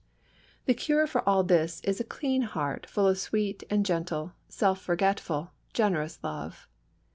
The cure for all this is a clean heart full of sweet and gentle, self forgetful, generous love.